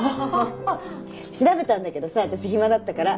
調べたんだけどさ私暇だったから。